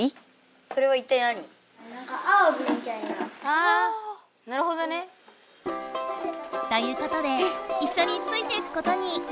あなるほどね。ということでいっしょについていくことに。